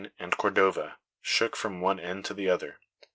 ] and Cordova shook from one end to the other.